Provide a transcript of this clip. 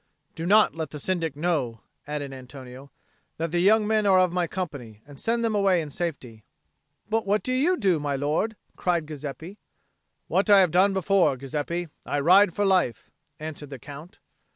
"Do not let the Syndic know," added Antonio, "that the young men are of my company, and send them away in safety." "But what do you, my lord?" cried Giuseppe. "What I have done before, Giuseppe. I ride for life," answered the Count.